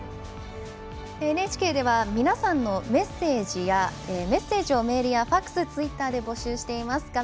ＮＨＫでは皆さんのメッセージをメールやファクス、ツイッターで募集しています。